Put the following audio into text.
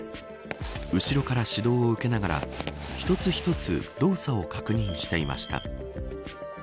後ろから指導を受けながら一つ一つ動作を確認していました。